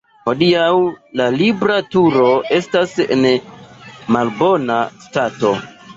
Hodiaŭ la Libra Turo estas en malbona stato.